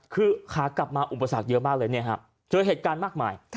คือขากลับมาอุปสรรคเยอะมากเลยเจอเหตุการณ์มากมาย